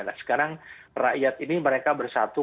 nah sekarang rakyat ini mereka bersatu